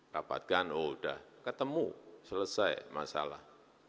rapatkan oh udah ketemu selesai masalah